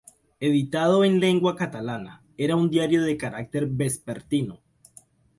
Editado en lengua catalana, era un diario de carácter vespertino.